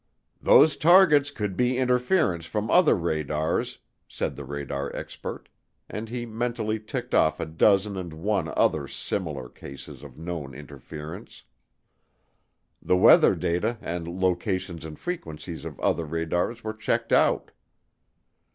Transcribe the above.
"Those targets could be interference from other radars," said the radar expert, and he mentally ticked off a dozen and one other similar cases of known interference. The weather data, and locations and frequencies of other radars were checked out.